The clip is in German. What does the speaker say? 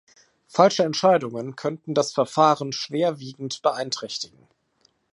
Falsche Entscheidungen könnten das Verfahren schwer wiegend beeinträchtigen.